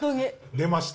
出ました。